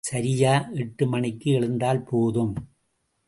சரியா எட்டு மணிக்கு எழுந்தால் போதும்.